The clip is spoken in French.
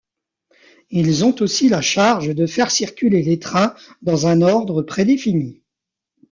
Ils ont aussi la charge de faire circuler les trains dans un ordre prédéfini.